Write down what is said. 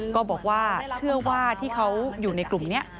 ก็บอกว่าเชื่อว่าที่เขาอยู่ในกลุ่มนี้